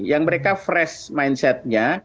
yang mereka fresh mindsetnya